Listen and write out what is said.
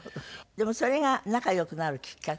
でもそれが仲良くなるきっかけ？